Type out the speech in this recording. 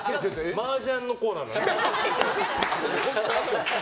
マージャンのコーナーです。